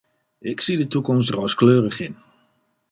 Ik zie de toekomst rooskleurig in.